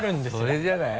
それじゃない？